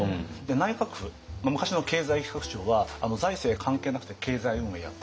内閣府昔の経済企画庁は財政関係なくて経済運営やってるよねと。